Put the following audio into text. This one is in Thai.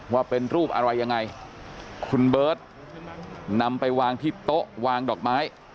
ว่าเป็นรูปอะไรยังไงคุณเบิร์ตนำไปวางที่โต๊ะวางดอกไม้